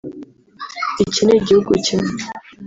Iki ni igihugu kimwe